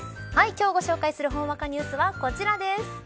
今日ご紹介するほんわかニュースはこちらです。